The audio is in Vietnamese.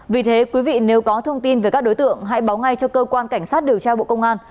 vì thế quý vị nếu có thông tin về các đối tượng hãy báo ngay cho cơ quan cảnh sát điều tra bộ công an